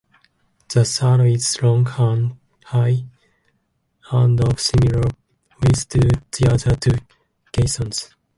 The third is long, high, and of similar width to the other two caissons.